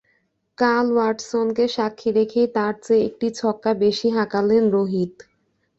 কাল ওয়াটসনকে সাক্ষী রেখেই তাঁর চেয়ে একটি ছক্কা বেশি হাঁকালেন রোহিত।